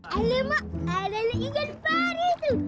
alemuk adanya ingin pari tuh